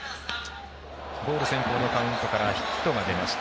ボール先行のカウントからヒットが出ました。